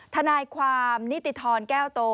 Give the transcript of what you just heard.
ทนายความนิติธรแก้วโต